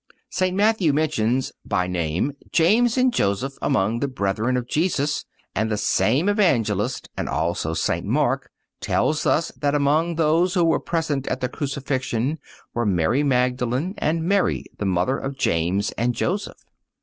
St. Matthew mentions, by name, James and Joseph among the brethren of Jesus;(230) and the same Evangelist and also St. Mark tell us that among those who were present at the Crucifixion were Mary Magdalen and Mary the mother of James and Joseph.